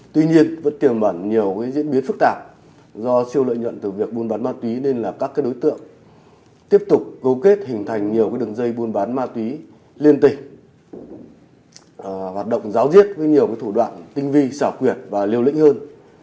tuy nhiên vẫn tiềm ẩn nhiều diễn biến phức tạp do siêu lợi nhuận từ việc buôn bán ma túy nên là các đối tượng tiếp tục cấu kết hình thành nhiều đường dây buôn bán ma túy liên tỉnh hoạt động giáo diết với nhiều thủ đoạn tinh vi xảo quyệt và liều lĩnh hơn